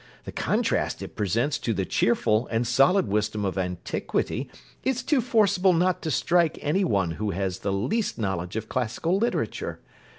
The contrast it presents to the cheerful and solid wisdom of antiquity is too forcible not to strike any one who has the least knowledge of classical literature.